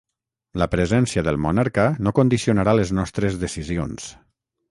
La presència del monarca no condicionarà les nostres decisions.